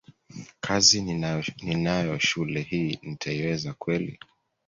kazi ninayo shule hii nitaiweza kweli